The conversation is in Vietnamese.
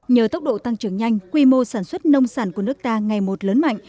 nhờ tốc độ tăng trưởng nhanh quy mô sản xuất nông sản của nước ta ngày một lớn mạnh